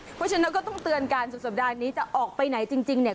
เพราะฉะนั้นก็ต้องเตือนกันสุดสัปดาห์นี้จะออกไปไหนจริงเนี่ย